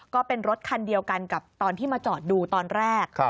ก็เป็นรถคันเดียวกันกับตอนที่มาจอดดูตอนแรก